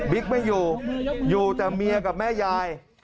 ไม่อยู่อยู่แต่เมียกับแม่ยาย